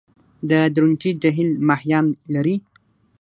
د درونټې جهیل ماهیان لري؟